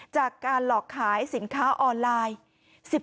จากการหลอกขายสินค้าออนไลน์